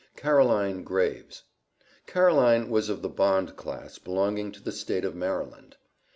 Caroline Graves. Caroline was of the bond class belonging to the State of Maryland.